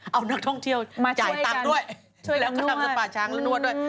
เอานักท่องเที่ยวมาจ่ายตังค์ด้วยช่วยแล้วก็ทำสปาช้างแล้วนวดด้วย